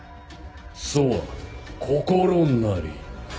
そは「心」なり。